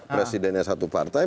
presidennya satu partai